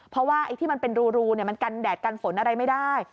เพราะว่าไอ้ที่มันเป็นรูมันกันแดดกันฝนอะไรไม่ได้